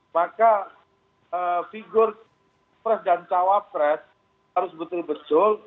maka figur pres dan cawapres harus betul betul